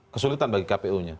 kesulitan bagi kpu nya